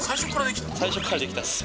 最初からできたんですか？